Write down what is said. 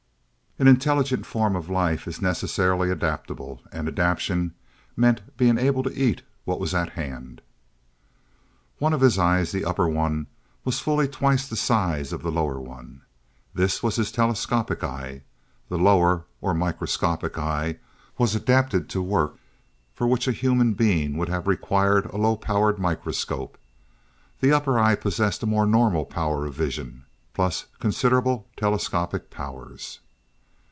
An intelligent form of life is necessarily adaptable, and adaptation meant being able to eat what was at hand. One of his eyes, the upper one, was fully twice the size of the lower one. This was his telescopic eye. The lower, or microscopic eye was adapted to work for which a human being would have required a low power microscope, the upper eye possessed a more normal power of vision, plus considerable telescopic powers.